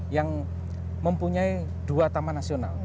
yang mempunyai dua taman nasional